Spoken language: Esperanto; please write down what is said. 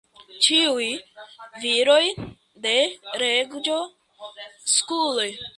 ĉiuj viroj de reĝo Skule!